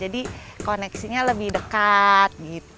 jadi kita jauh lebih tinggi